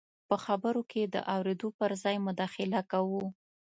په خبرو کې د اورېدو پر ځای مداخله کوو.